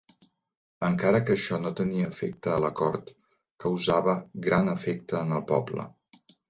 Encara que això no tenia efecte a la cort, causava gran efecte en el poble.